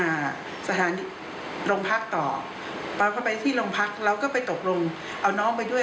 ให้สร้างของครูเนี่ยขอโทษทั้งที่เราขอโทษครูเนี่ย